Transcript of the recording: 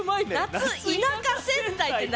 「夏田舎戦隊」って何あと。